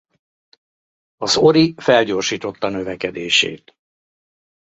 Az Ori felgyorsította növekedését.